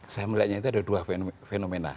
saya melihatnya itu ada dua fenomena